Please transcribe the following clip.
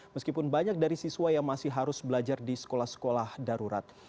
meskipun banyak dari siswa yang masih harus belajar di sekolah sekolah darurat